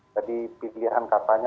jadi pilihan katanya